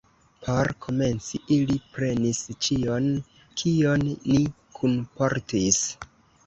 Por komenci, ili prenis ĉion, kion ni kunportis.